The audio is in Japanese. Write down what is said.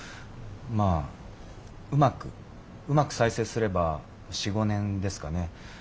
まあうまくうまく再生すれば４５年ですかね